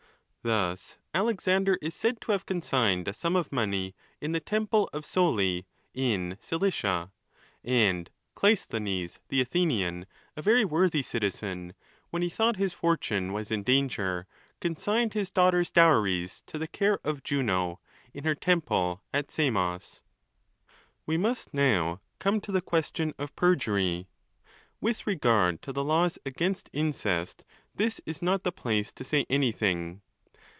Thus Alcxander 1s said to have consigned a sum of money in the temple of Soli in Cilicia, and Clisthenes the Athenian, a very worthy citizen, when he thought his fortune was in danger, consigned his daughters' dowries to the care of Juno, in her temple at Samos, | We must now come to the question of perjury; with regard to the laws against incest, this is not the place to say anything.